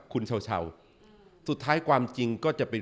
คุณเช้าสุดท้ายความจริงก็จะเป็น